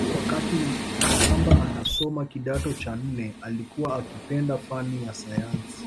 Wakati Makamba anasoma kidato cha nne alikuwa akipenda fani ya sayansi